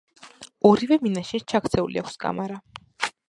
ორივე მინაშენს ჩაქცეული აქვს კამარა.